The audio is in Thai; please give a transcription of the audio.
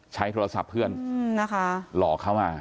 ใช้โทรศัพท์เพื่อนนะคะหลอกเขามา